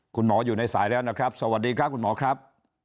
คุณหมออยู่ในสายแล้วนะครับสวัสดีครับคุณหมอครับ